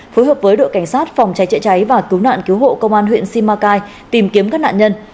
phối hợp với đội cảnh sát phòng cháy chữa cháy và cứu nạn cứu hộ công an huyện simacai tìm kiếm các nạn nhân